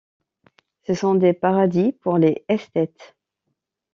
Ce sont des paradis pour les esthètes.